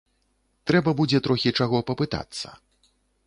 Трэба будзе трохі чаго папытацца.